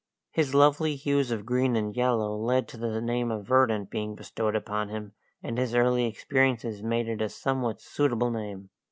His lovely hues of green and yellow led to the name of Verdant being bestowed upon him, and his early experiences made it a somewhat suitable name.